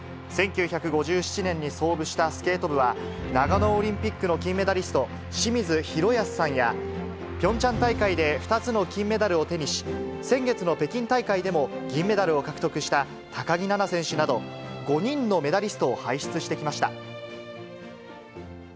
１９５７年に創部したスケート部は、長野オリンピックの金メダリスト、清水宏保さんや、ピョンチャン大会で２つの金メダルを手にし、先月の北京大会でも銀メダルを獲得した高木菜那選手など、５人のメダリストを輩出してきました。